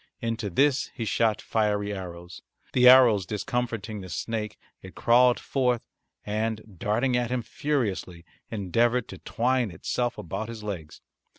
Into this he shot fiery arrows. The arrows discomforting the snake it crawled forth and, darting at him furiously, endeavoured to twine itself about his legs.